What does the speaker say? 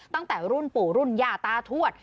ตั้งแต่รุ่นปู่รุ่นย่าตาทวด